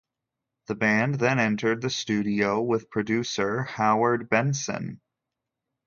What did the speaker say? The band then entered the studio with producer Howard Benson.